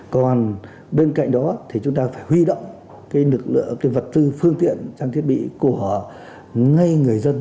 còn bên cạnh đó thì chúng ta phải huy động cái vật tư phương tiện trang thiết bị của ngay người dân